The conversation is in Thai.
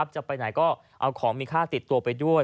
จะไปไหนก็เอาของมีค่าติดตัวไปด้วย